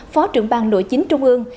phó trưởng bang nội chính trung ương